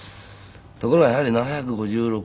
ところがやはり７５６号ですね。